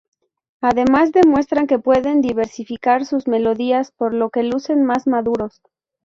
Además, demuestran que pueden diversificar sus melodías, por lo que lucen más maduros.